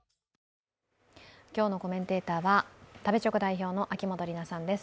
今日のコメンテーターは食べチョク代表の秋元里奈さんです。